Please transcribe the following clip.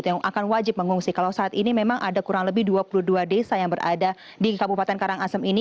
yang akan wajib mengungsi kalau saat ini memang ada kurang lebih dua puluh dua desa yang berada di kabupaten karangasem ini